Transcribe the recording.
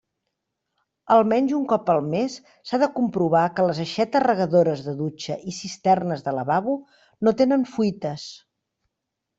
Almenys un cop al mes s'ha de comprovar que les aixetes, regadores de dutxa i cisternes de lavabo no tenen fuites.